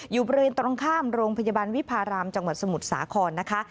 อยู่บริเวณตรงข้ามโรงพยาบาลวิพารามจังหวัดสมุทรสาครนะคะ